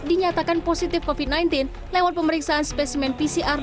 dinyatakan positif covid sembilan belas lewat pemeriksaan spesimen pcr